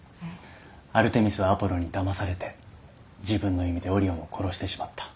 アルテミスはアポロンにだまされて自分の弓でオリオンを殺してしまった。